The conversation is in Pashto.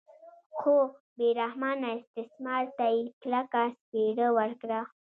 خو بې رحمانه استثمار ته یې کلکه څپېړه ورکړه.